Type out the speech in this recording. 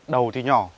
đầu thì nhỏ